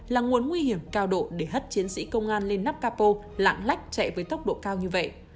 là nguồn nguy hiểm cao độ để hất chiến sĩ công an lên nắp capo lạng lách chạy với tốc độ cao như vậy